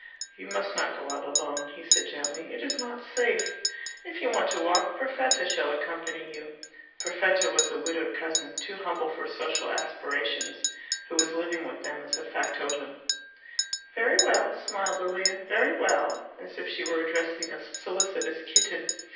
"You must not go out alone," he said gently. "It is not safe. If you want to walk, Perfetta shall accompany you." Perfetta was a widowed cousin, too humble for social aspirations, who was living with them as factotum. "Very well," smiled Lilia, "very well" as if she were addressing a solicitous kitten.